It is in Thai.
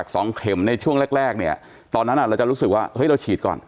สองเข็มในช่วงแรกแรกเนี่ยตอนนั้นอ่ะเราจะรู้สึกว่าเฮ้ยเราฉีดก่อน